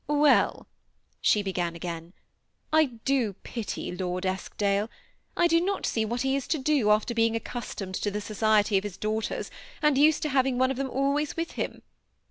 " Well," she began again, " I do pity Lord Eskdale : I do not see what he is to do, after being accustomed to the society of his daughters, and used to having one of them always with him.